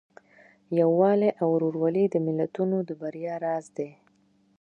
یووالی او ورورولي د ملتونو د بریا راز دی.